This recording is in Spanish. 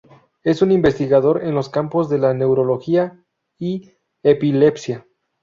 Es un investigador en los campos de la neurología y epilepsia.